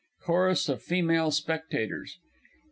_ CHORUS OF FEMALE SPECTATORS.